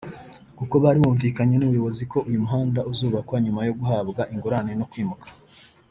kuko bari bumvikanye n’ubuyobozi ko uyu muhanda uzubakwa nyuma yo guhabwa ingurane no kwimuka